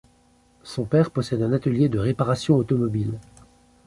Son père possède un atelier de réparation automobile.